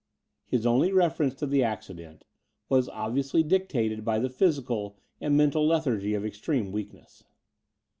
His only reference to the accident was obviously dictated by the physical and mental lethargy of extreme weakness.